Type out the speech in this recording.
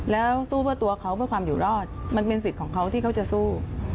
แล้วสู้เพื่อตัวเขาเพื่อความอยู่รอดมันเป็นสิทธิ์ของเขาที่เขาจะสู้